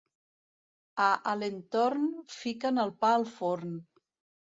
A Alentorn fiquen el pa al forn.